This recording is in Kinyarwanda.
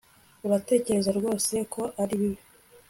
uratekereza rwose ko ari bibi